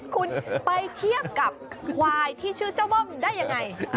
คุณยังเอาชีวิตคุณไปเทียบกับควายที่ชื่อเจ้าม่อมได้ยังไง